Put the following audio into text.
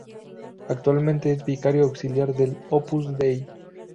Actualmente es vicario auxiliar del Opus Dei.